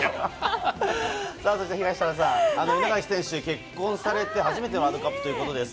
東原さん、稲垣選手は結婚されて初めてのワールドカップということです。